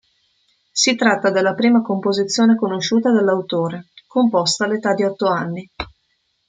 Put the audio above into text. Si tratta della prima composizione conosciuta dell'autore, composta all'età di otto anni.